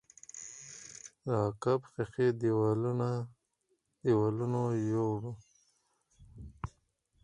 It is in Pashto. د عقب ښيښې دېوالونو يوړې.